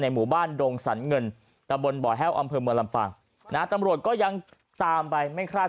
ในหมู่บ้านโด่งสรรเงินตะบลบ่อแฮล์อเมืองลำฟางนี้นะตำรวจก็ยังตามไปไม่คลาด